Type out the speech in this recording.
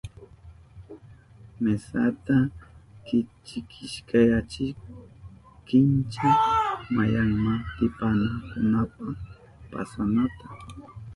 Mesata kichkiyachinki kincha mayanmaatipanankunapa pasanata.